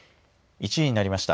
１時になりました。